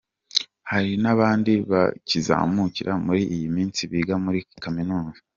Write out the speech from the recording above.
Hari n'abandi bakizamuka muri iyi minsi biga muri iyi Kaminuza.